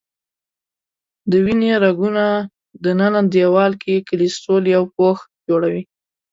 د وینې رګونو دننه دیوال کې کلسترول یو پوښ جوړوي.